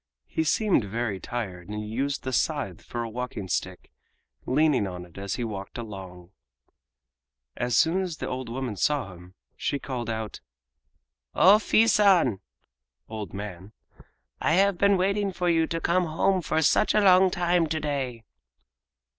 He seemed very tired and used the scythe for a walking stick, leaning on it as he walked along. As soon as the old woman saw him she called out: "O Fii San! (old man) I have been waiting for you to come home for such a long time to day!"